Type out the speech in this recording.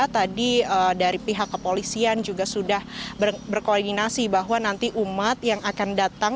tadi dari pihak kepolisian juga sudah berkoordinasi bahwa nanti umat yang akan datang